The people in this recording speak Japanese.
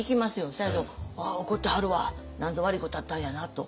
せやけどああ怒ってはるわ何ぞ悪いことあったんやなと。